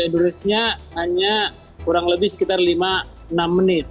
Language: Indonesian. durasi nya hanya kurang lebih sekitar lima enam menit